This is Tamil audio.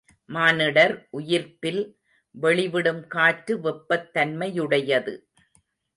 மானிடர் உயிர்ப்பில் வெளிவிடும் காற்று வெப்பத் தன்மையுடையது.